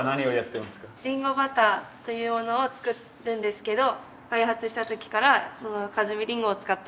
りんごバターというものを作るんですけど開発した時から加積りんごを使っていて。